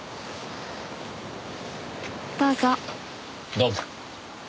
どうぞ。